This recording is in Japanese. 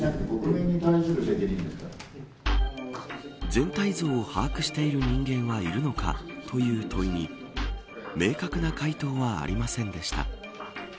全体像を把握している人間はいるのか、という問いに明確な回答はありませんでした。